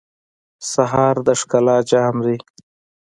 سهار د ښکلا جام دی.